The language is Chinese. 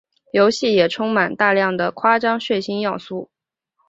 游戏也充满大量的夸张血腥要素。